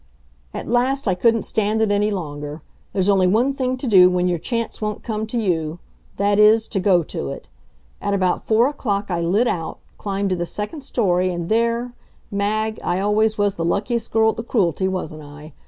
At last I couldn't stand it any longer. There's only one thing to do when your chance won't come to you; that is, to go to it. At about four o'clock I lit out, climbed to the second story and there Mag, I always was the luckiest girl at the Cruelty, wasn't I?